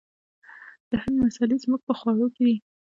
د هند مسالې زموږ په خوړو کې دي.